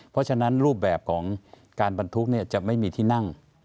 เพราะฉะนั้นรูปแบบของการบรรทุกจะไม่มีที่นั่ง